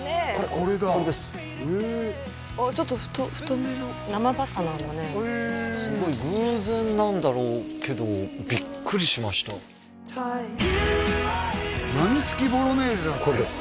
これだこれですちょっと太めの生パスタなんだねすごい偶然なんだろうけどビックリしましたやみつきボロネーゼだってこれです